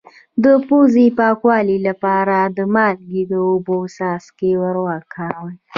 د پوزې د پاکوالي لپاره د مالګې او اوبو څاڅکي وکاروئ